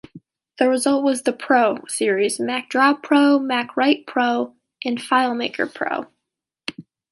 The result was the "Pro" series: MacDraw Pro, MacWrite Pro, and FileMaker Pro.